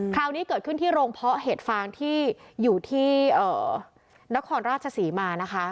คราวนี้เกิดขึ้นที่โรงเพาะเห็ดฟางที่อยู่ที่นครราชศรีมานะคะ